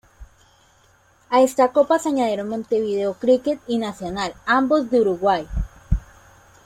A esta Copa se añadieron Montevideo Cricket y Nacional, ambos de Uruguay.